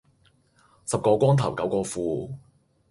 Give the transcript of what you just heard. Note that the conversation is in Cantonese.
十個光頭九個富